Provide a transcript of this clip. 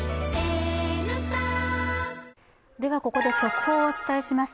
ここで速報をお伝えします。